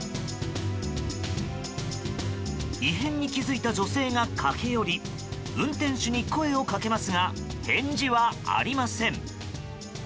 異変に気付いた女性が駆け寄り運転手に声を掛けますが返事はありません。